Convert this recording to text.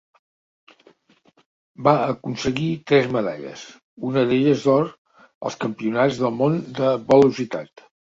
Va aconseguir tres medalles, una d'elles d'or, als Campionats del món de velocitat.